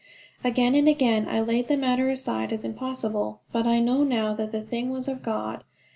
Again and again I laid the matter aside as impossible. But I know now that the thing was of God.